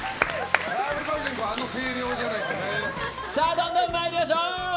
どんどん参りましょう。